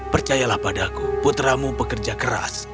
percayalah padaku putramu pekerja keras